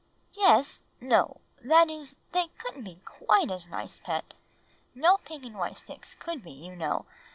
"Yes no; that is, they couldn't be quite as nice, Pet. No pink and white sticks could be, you know.